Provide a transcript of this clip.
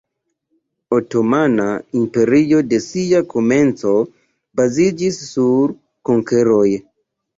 Otomana Imperio de sia komenco baziĝis sur konkeroj.